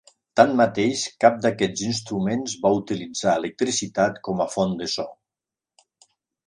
Tanmateix, cap d'aquests instruments va utilitzar electricitat com a font de so.